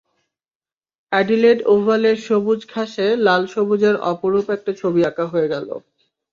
Adelaide ওভালের সবুজ ঘাসে লাল-সবুজের অপরূপ একটা ছবি আঁকা হয়ে গেল।